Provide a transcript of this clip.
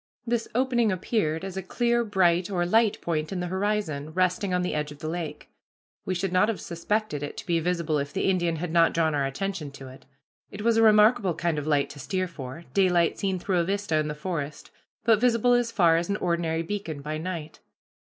This opening appeared as a clear bright, or light, point in the horizon, resting on the edge of the lake. We should not have suspected it to be visible if the Indian had not drawn our attention to it. It was a remarkable kind of light to steer for daylight seen through a vista in the forest but visible as far as an ordinary beacon by night.